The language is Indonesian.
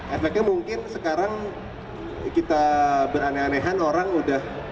efeknya mungkin sekarang kita beranehan orang udah